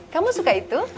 kamu suka itu